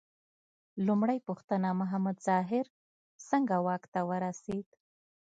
لومړۍ پوښتنه: محمد ظاهر څنګه واک ته ورسېد؟